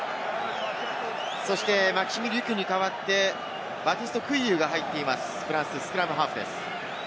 そして、マキシム・リュキュに代わってバティスト・クイユーが入っています、フランス、スクラムハーフです。